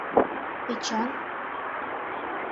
— Эчан.